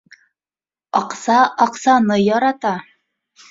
Аҡса аҡсаны ярата.